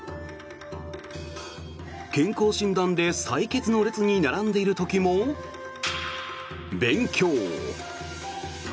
健康診断で採血の列に並んでいる時も勉強。